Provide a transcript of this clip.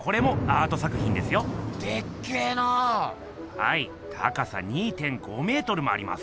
はい高さ２．５メートルもあります。